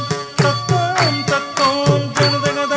ผล่ายเป็นใครครับ